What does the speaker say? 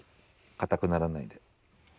かたくならないで。